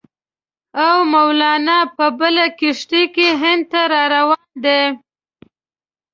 او مولنا په بله کښتۍ کې هند ته را روان دی.